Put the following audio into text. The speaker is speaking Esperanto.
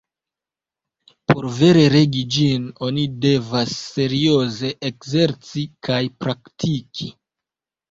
Por vere regi ĝin, oni devas serioze ekzerci kaj praktiki.